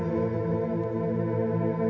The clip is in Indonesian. tidak ada yang bisa dikira